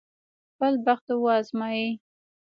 خپل بخت وازمايي.